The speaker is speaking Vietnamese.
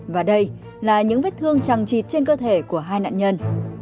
và đây là những vết thương trằng chịt trên cơ thể của hai nạn nhân